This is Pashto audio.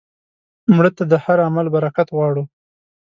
مړه ته د هر عمل برکت غواړو